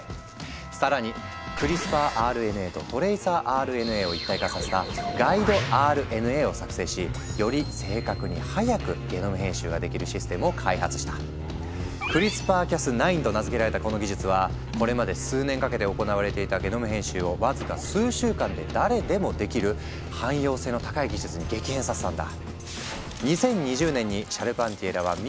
更にクリスパーＲＮＡとトレイサーＲＮＡを一体化させた「ガイドＲＮＡ」を作成しより正確に早くゲノム編集ができるシステムを開発した。と名付けられたこの技術はこれまで数年かけて行われていたゲノム編集をわずか数週間で誰でもできる汎用性の高い技術に激変させたんだ。